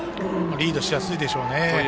リードしやすいでしょうね。